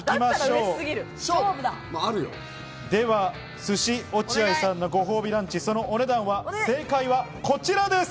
では「鮨おちあい」さんのご褒美ランチ、そのお値段はこちらです。